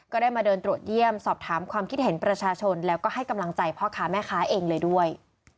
ก็ได้มาเดินตรวจเยี่ยมสอบถามความคิดเห็นประชาชนแล้วก็ให้กำลังใจพ่อค้าแม่ค้าเองเลยด้วย